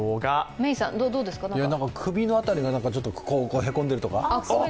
首の辺りがちょっとへこんでいるとか？